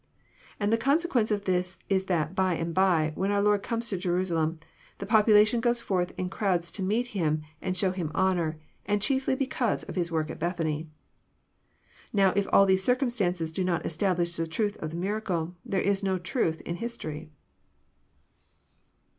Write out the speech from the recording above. And the consequence is that by and by, when our Lord comes to Jerusalem, the population goes forth in crowds to meet Him and show Him bouour, and chiefly because of His work at Bethany. Now, if all these circumstances do not establish the truth of the miracle, there is no truth in his tory."